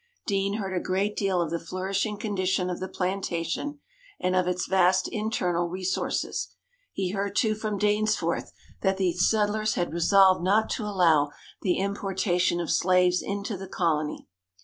Deane heard a great deal of the flourishing condition of the plantation, and of its vast internal resources. He heard, too, from Dainsforth, that the settlers had resolved not to allow the importation of slaves into the colony.